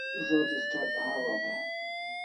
Zo't start hawaw e?